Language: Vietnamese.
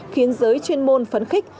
khiến giới chuyên môn phấn khích